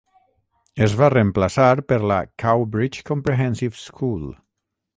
Es va reemplaçar per la Cowbridge Comprehensive School.